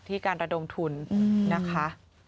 การระดมทุนนะคะ